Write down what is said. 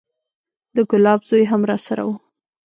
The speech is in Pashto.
د ګلاب زوى هم راسره و.